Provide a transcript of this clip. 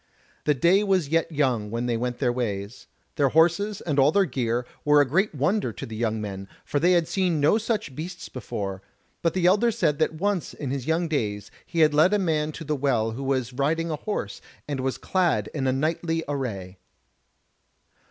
The day was yet young when they went their ways. Their horses and all their gear were a great wonder to the young men, for they had seen no such beasts before: but the elder said that once in his young days he had led a man to the Well who was riding a horse and was clad in knightly array.